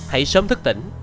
hãy sớm thức tỉnh